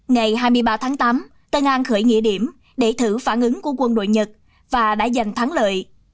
ngày hai mươi ba tháng tám tân an khởi nghĩa điểm để thử phản ứng của quân đội nhật và đã giành thắng lợi